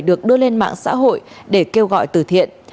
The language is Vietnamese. được đưa lên mạng xã hội để kêu gọi từ thiện